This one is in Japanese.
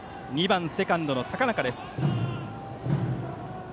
２番、セカンドの高中です。